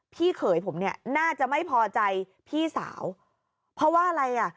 เขยผมเนี่ยน่าจะไม่พอใจพี่สาวเพราะว่าอะไรอ่ะ